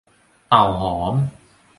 เต่าหอม